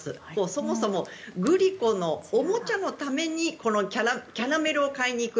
そもそもグリコのおもちゃのためにキャラメルを買いに行く。